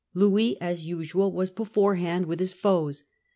Louis, as usual, was beforehand with his foes.